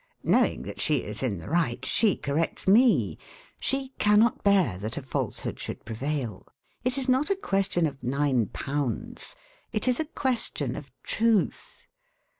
Knowing that she is in the right, she corrects me. She cannot bear that a falsehood should prevail. It is not a question of £9, it is a question of truth.